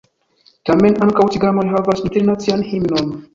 Tamen ankaŭ ciganoj havas internacian himnon.